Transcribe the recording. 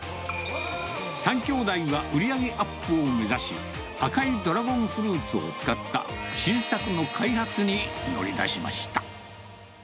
３兄弟が売り上げアップを目指し、赤いドラゴンフルーツを使った新作の開発に乗り出しました。